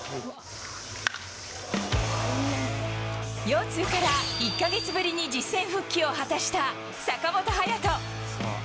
腰痛から１か月ぶりに実戦復帰を果たした坂本勇人。